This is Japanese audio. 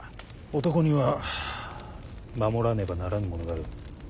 男には守らねばならぬものがある。